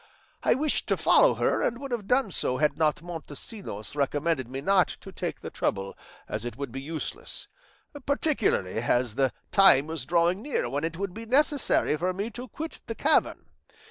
I wished to follow her, and would have done so had not Montesinos recommended me not to take the trouble as it would be useless, particularly as the time was drawing near when it would be necessary for me to quit the cavern.